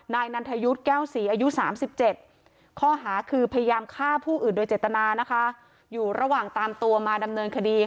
นันทยุทธ์แก้วศรีอายุ๓๗ข้อหาคือพยายามฆ่าผู้อื่นโดยเจตนานะคะอยู่ระหว่างตามตัวมาดำเนินคดี